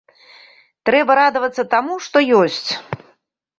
Трэба радавацца таму, што ёсць.